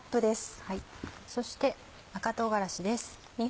そして赤唐辛子です。